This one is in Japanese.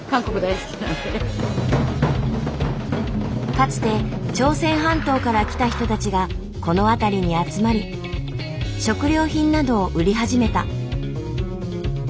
かつて朝鮮半島から来た人たちがこの辺りに集まり食料品などを売り始めた。